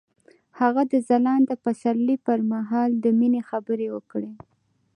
هغه د ځلانده پسرلی پر مهال د مینې خبرې وکړې.